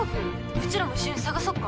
うちらも一緒に捜そっか？